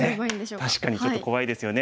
確かにちょっと怖いですよね。